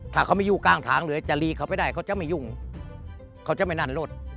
ถ้าเขาไม่ยุ่งกลางทางหรือจะลีเขาไปได้เขาจะไม่ยุ่งเขาจะไม่นั่นรถ